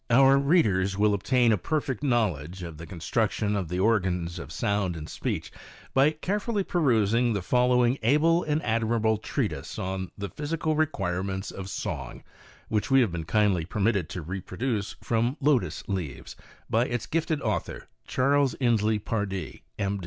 Our readers will obtain a perfect knowledge of the construc tion of the organs of sound and speech by carefully perusing the following able and admirable treatise on " The Physical Requirements of Song" which we have been kindly permitted to reproduce from Lotus Leaves, by its gifted author, Charles Inslee Pardee, M.